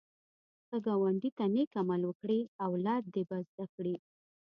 که ګاونډي ته نېک عمل وکړې، اولاد دې به زده کړي